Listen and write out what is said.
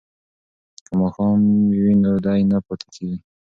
که ماښام وي نو دم نه پاتې کیږي.